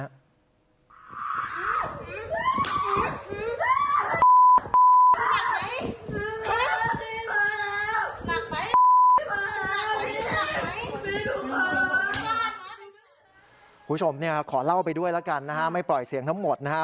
คุณผู้ชมขอเล่าไปด้วยละกันไม่ปล่อยเสียงทั้งหมดนะฮะ